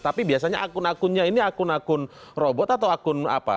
tapi biasanya akun akunnya ini akun akun robot atau akun apa